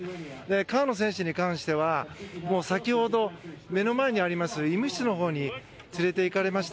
川野選手に関しては先ほど目の前にあります医務室のほうに連れていかれました。